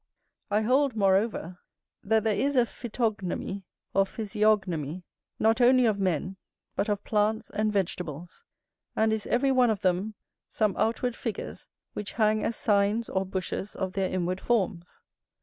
I hold, moreover, that there is a phytognomy, or physiognomy, not only of men, but of plants and vegetables; and is every one of them some outward figures which hang as signs or bushes of their inward forms.